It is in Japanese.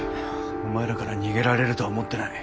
お前らから逃げられるとは思ってない。